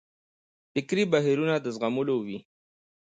فکري بهیرونه د زغملو وي.